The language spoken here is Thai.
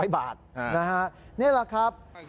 ๐บาทนะฮะนี่แหละครับ